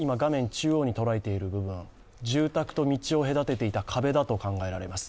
中央にとらえている部分、住宅と道を隔てていた壁だと考えられます。